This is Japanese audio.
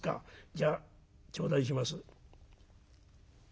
じゃあ頂戴します」。